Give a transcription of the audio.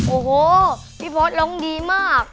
โอ้โหพี่พศร้องดีมาก